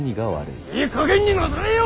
いいかげんになされよ！